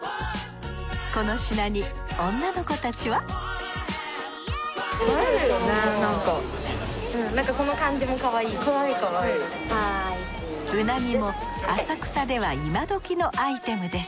この品に女の子たちはうなぎも浅草ではイマドキのアイテムです